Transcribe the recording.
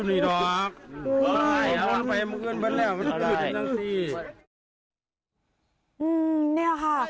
เนี่ยค่ะ